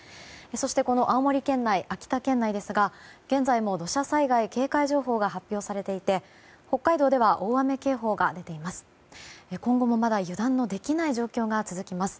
そして、青森県内秋田県内ですが現在も土砂災害警戒情報が発表されていて北海道では大雨警報が出ています。